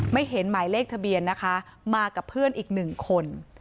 ไม่เห็นหมายเลขทะเบียนนะคะมากับเพื่อนอีกหนึ่งคน